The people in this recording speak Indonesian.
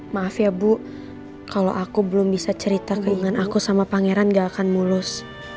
maaf ya bu kalau aku belum bisa cerita keinginan aku sama pangeran gak akan mulus